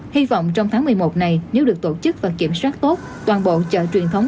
hy vọng trong tháng một mươi một này nếu được tổ chức và kiểm soát tốt toàn bộ chợ truyền thống